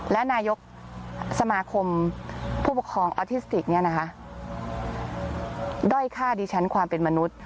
และนายกสมาคมผู้ปกครองออทิสติกด้อยฆ่าดิฉันความเป็นมนุษย์